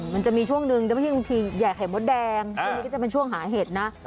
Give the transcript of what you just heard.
มันจะมีช่วงนึงพี่อย่างแข่งมดแดงช่วงนี้ก็จะเป็นช่วงหาเห็ดนะ